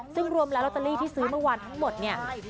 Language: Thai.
ซึ่งรวมแล้วลอตเตอรี่ที่ซื้อเมื่อวานทั้งหมดเนี่ย